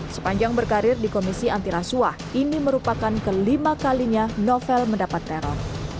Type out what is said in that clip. sepanjang berkarir di komisi antirasuah ini merupakan kelima kalinya novel mendapat teror